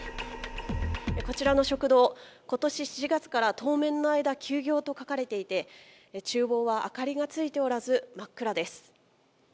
こちらの食堂、今年７月から当面の間休業と書かれていてちゅう房は明かりがついておらず真っ暗です。